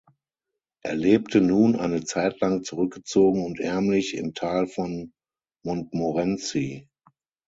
Er lebte nun eine Zeit lang zurückgezogen und ärmlich im Tal von Montmorency.